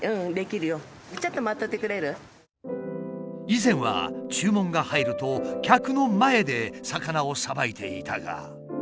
以前は注文が入ると客の前で魚をさばいていたが。